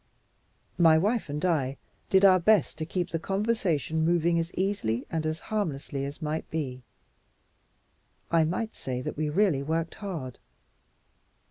My wife and I did our best to keep the conversation moving as easily and as harmlessly as might be. I may say that we really worked hard.